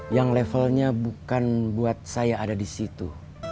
yang levelnya bukan buat saya ada disitu